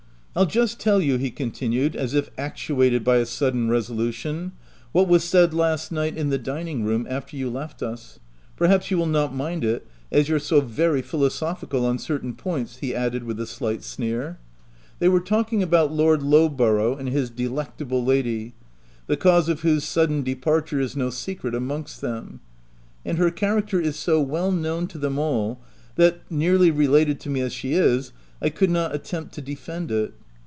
I'll just tell you," he continued, as if actuated by a sudden resolution, " what was said last night in the dining room, after you left us — perhaps you will not mind it as you're so very philosophical on certain points," he added with a slight sneer. " They were talking about Lord Lowborough and his delectable lady, the cause of whose sudden de parture is no secret amongst them ; and her character is so well known to them all, that, nearly related to me as she is, I could not attempt to defend it.